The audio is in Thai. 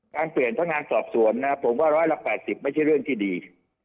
การเปลี่ยนพนักงานสอบสวนนะผมว่า๑๘๐ไม่ใช่เรื่องที่ดี